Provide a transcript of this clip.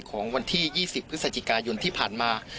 ของวันที่๒๐พฤศจิกายนที่ผ่านมา